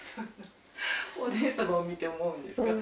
お姉様を見て思うんですか？